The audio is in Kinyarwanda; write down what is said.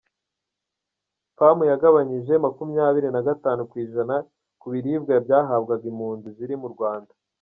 Pamu yagabanije Makumyabiri nagatanu kwijana ku biribwa byahabwaga impunzi ziri mu Rwanda